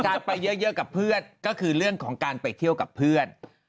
การไปเยอะกับเพื่อนก็คือเรื่องของการไปเที่ยวกับเพื่อน